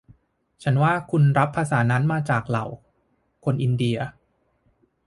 ฉันว่าคุณรับภาษานั้นจากมาเหล่าคนอินเดีย